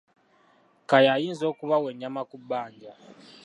Kaaya ayinza okubawa ennyama ku bbanja.